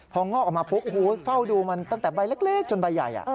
พองอกออกมาปุ๊บเฝ้าดูมันตั้งแต่ใบเล็กจนใบใหญ่